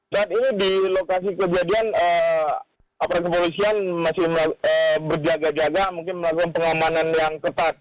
saat ini di lokasi kejadian aparat kepolisian masih berjaga jaga mungkin melakukan pengamanan yang ketat